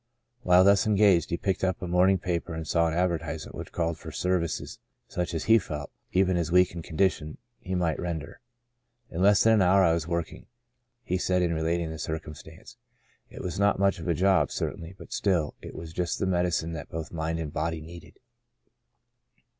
While thus engaged he picked up a morning paper and saw an advertisement which called for services such as he felt, even in his weak ened condition, he might render. "In less than an hour I was working," he said in re lating the circumstance. " It was not much of a job, certainly, but still, it was just the medicine that both mind and body needed."